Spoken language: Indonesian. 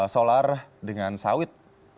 solar dengan sawit